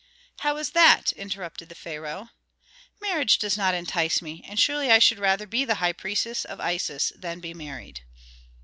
"How is that?" interrupted the pharaoh. "Marriage does not entice me, and surely I should rather be the high priestess of Isis than be married."